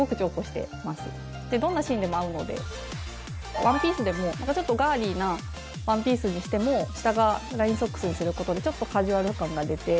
ワンピースでもガーリーなワンピースにしても下がラインソックスにすることでちょっとカジュアル感が出て。